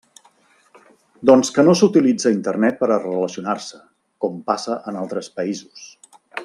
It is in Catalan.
Doncs que no s'utilitza Internet per a relacionar-se, com passa en altres països.